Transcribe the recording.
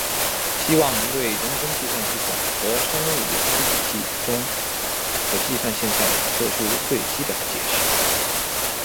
希望能对人工计算系统和生物有机体系统中的计算现象做出最基本的解释。